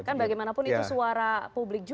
kan bagaimanapun itu suara publik juga